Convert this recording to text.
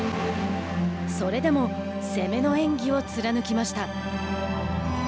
それでも攻めの演技を貫きました。